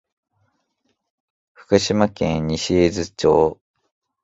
福島県西会津町